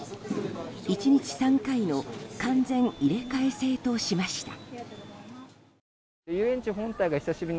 １日３回の完全入れ替え制としました。